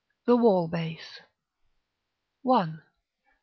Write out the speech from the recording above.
THE WALL BASE. § I.